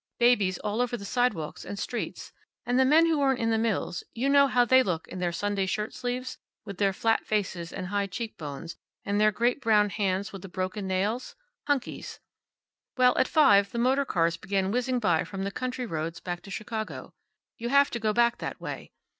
Babies all over the sidewalks and streets, and the men who weren't in the mills you know how they look in their Sunday shirtsleeves, with their flat faces, and high cheekbones, and their great brown hands with the broken nails. Hunkies. Well, at five the motor cars began whizzing by from the country roads back to Chicago. You have to go back that way.